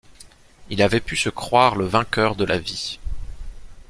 Il avait pu se croire le vainqueur de la vie.